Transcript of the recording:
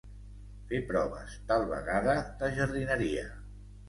Fer proves, tal vegada de jardineria.